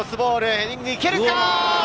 ヘディングいけるか。